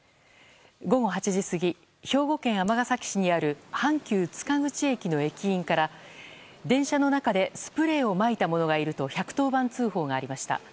午後８時過ぎ兵庫県尼崎市にある阪急塚口駅の駅員から電車の中でスプレーをまいた者がいると１１０番通報がありました。